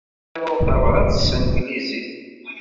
Ur ttaruɣ tabṛat s tanglizit.